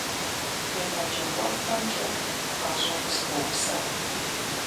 ЕгъэджакӀуэфӀхэмкӀэ гъащӀэр къысхуэупсат.